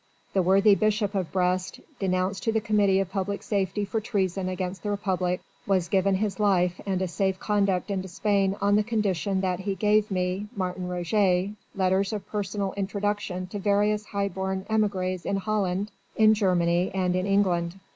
The worthy bishop of Brest denounced to the Committee of Public Safety for treason against the Republic was given his life and a safe conduct into Spain on the condition that he gave me Martin Roget letters of personal introduction to various high born émigrés in Holland, in Germany and in England.